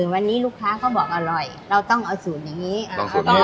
วันนี้ลูกค้าก็บอกอร่อยเราต้องเอาสูตรอย่างนี้